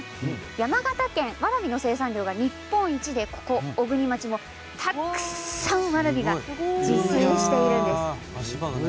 山形県わらびの生産量が日本一で小国町も、たくさんわらびが自生しているんです。